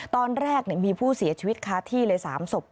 ตอนแรกมีผู้เสียชีวิตค้าที่เลย๓ศพ